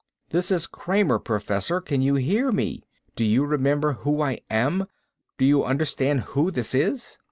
"This is Kramer, Professor. Can you hear me? Do you remember who I am? Do you understand who this is?"